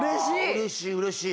うれしいうれしい。